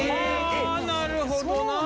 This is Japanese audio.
はあなるほどな。